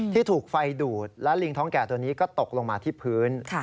ที่ถูกไฟดูดและลิงท้องแก่ตัวนี้ก็ตกลงมาที่พื้น